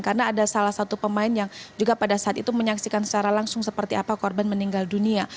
karena ada salah satu pemain yang juga pada saat itu menyaksikan secara langsung seperti apa korban meninggal dunia